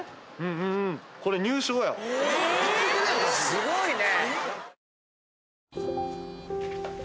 すごいね！